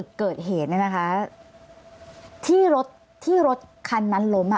ดิวรู้ครับ